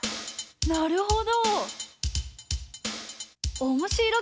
なるほど！